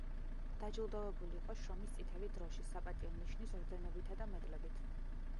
დაჯილდოვებული იყო „შრომის წითელი დროშის“, „საპატიო ნიშნის“ ორდენებითა და მედლებით.